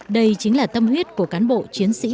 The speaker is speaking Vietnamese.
đây chính là tâm huyết của cán bộ chiến sĩ